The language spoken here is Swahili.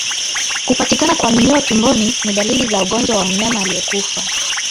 Kupatikana kwa minyoo tumboni ni dalili za ugonjwa kwa mnyama aliyekufa